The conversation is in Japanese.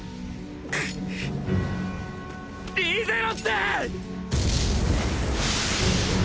くっリーゼロッテ！